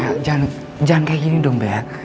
jangan jangan kayak gini bel